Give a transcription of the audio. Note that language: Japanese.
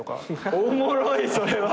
おもろいそれは！